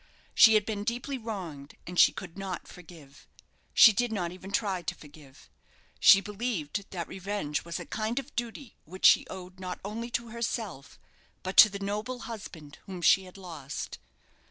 She had been deeply wronged, and she could not forgive. She did not even try to forgive. She believed that revenge was a kind of duty which she owed, not only to herself, but to the noble husband whom she had lost.